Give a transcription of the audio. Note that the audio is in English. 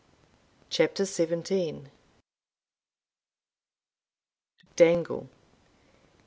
CHAPTER SEVENTEEN. _Dangle.